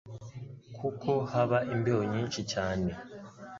kuko haba imbeho nyinshi cyane.